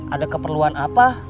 ada keperluan apa